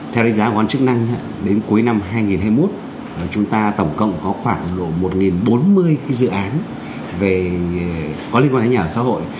theo đánh giá của quan chức năng đến cuối năm hai nghìn hai mươi một chúng ta tổng cộng có khoảng độ một bốn mươi dự án về có liên quan đến nhà ở xã hội